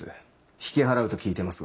引き払うと聞いてますが。